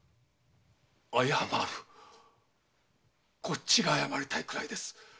謝る⁉こっちが謝りたいくらいです。